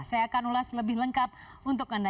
saya akan ulas lebih lengkap untuk anda